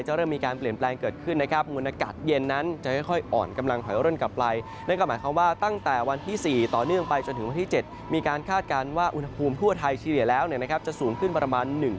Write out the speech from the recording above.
จะเริ่มมีการเปลี่ยนแปลงเกิดขึ้นนะครับ